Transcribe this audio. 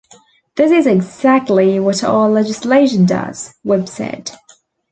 This is exactly what our legislation does, Webb said.